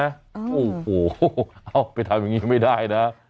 โอ้วป่าวววเอ้าไปทำอย่างนี้ไม่ได้นะ